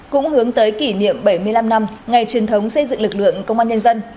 cũng hướng tới kỷ niệm bảy mươi năm năm ngày truyền thống xây dựng lực lượng công an nhân dân